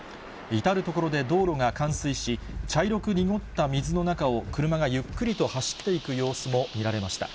至る所で道路が冠水し、茶色く濁った水の中を、車がゆっくりと走っていく様子も見られました。